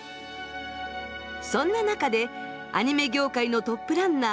そんな中でアニメ業界のトップランナー